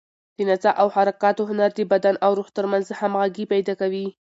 د نڅا او حرکاتو هنر د بدن او روح تر منځ همغږي پیدا کوي.